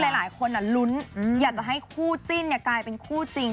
หลายคนลุ้นอยากจะให้คู่จิ้นกลายเป็นคู่จริง